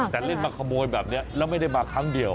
แต่เล่นมาขโมยแบบนี้แล้วไม่ได้มาครั้งเดียว